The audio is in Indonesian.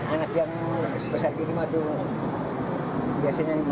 anak yang sebesar gini mah tuh biasanya main gitu ya